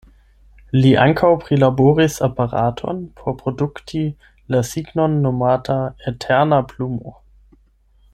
Li ankaŭ prilaboris aparaton por produkti la signon, nomata „eterna plumo”.